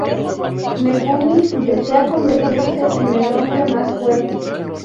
Megumi desea convertirse en el hombre más fuerte.